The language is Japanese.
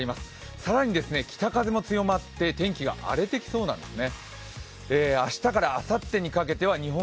更に北風も強まって天気が荒れてきそうなんですね。